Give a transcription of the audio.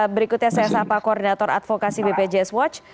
berikutnya saya sapa koordinator advokasi bpjs watch